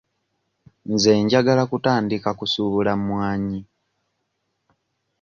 Nze njagala kutandika kusuubula mwanyi.